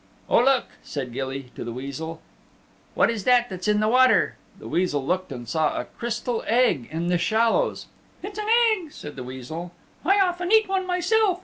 "Oh, look," said Gilly to the Weasel, "what is that that's in the water?" The Weasel looked and saw a crystal egg in the shallows. "It's an egg," said the Weasel, "I often eat one myself.